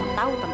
andi atau algo